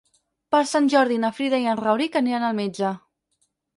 Per Sant Jordi na Frida i en Rauric aniran al metge.